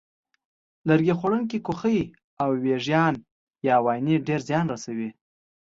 لرګي خوړونکي کوخۍ او وېږیان یا واینې ډېر زیان رسوي.